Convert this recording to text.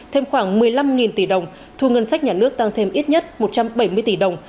thêm khoảng một mươi năm tỷ đồng thu ngân sách nhà nước tăng thêm ít nhất một trăm bảy mươi tỷ đồng